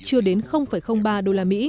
chưa đến ba usd